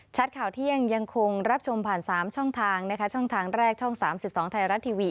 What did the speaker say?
ชัดข่าวเที่ยงยังคงรับชมผ่านสามช่องทางนะคะช่องทางแรกช่องสามสิบสองไทยรัฐทีวี